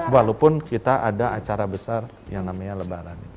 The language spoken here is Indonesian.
walaupun kita ada acara besar yang namanya lebaran